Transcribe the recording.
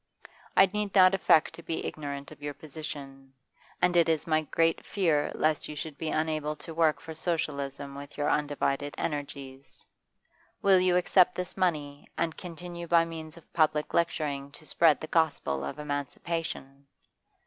I need not affect to be ignorant of your position, and it is my great fear lest you should be unable to work for Socialism with your undivided energies. Will you accept this money, and continue by means of public lecturing to spread the gospel of emancipation?